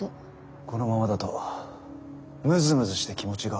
このままだとムズムズして気持ちが悪い。